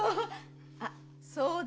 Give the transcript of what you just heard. あそうだ。